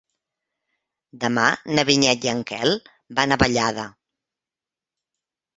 Demà na Vinyet i en Quel van a Vallada.